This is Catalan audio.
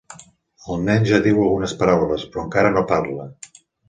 El nen ja diu algunes paraules, però encara no parla.